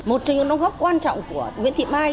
một trong những nông góp quan trọng của nguyễn thị mai